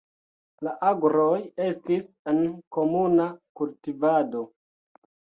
La agroj estis en komuna kultivado.